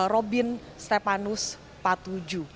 robin stepanus patuju